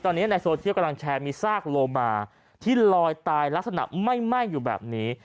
ตอนนี้ในโซเชียลกำลังแชร์มีซากโลมาที่ลอยตายลักษณะไหม้อยู่แบบนี้